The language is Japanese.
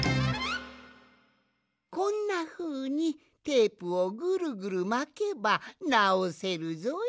こんなふうにテープをぐるぐるまけばなおせるぞい。